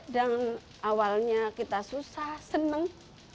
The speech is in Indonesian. dan awalnya kita susah senang